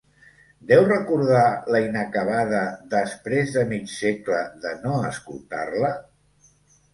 ¿Deu recordar la inacabada, després de mig segle de no escoltar-la?